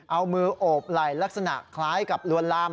เอามือโอบไหล่ลักษณะคล้ายกับลวนลาม